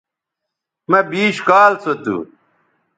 مہ بیش کال سو تھو